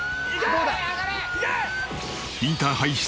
どうだ？